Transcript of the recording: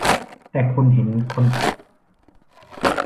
แต่คุณเห็นคนขับ !